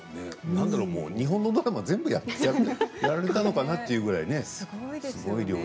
なんだろう、もう日本のドラマ全部やられたのかなっていうぐらいすごい量ですよね。